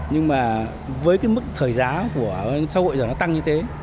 nhưng mà với cái mức thời giá của xã hội giờ nó tăng như thế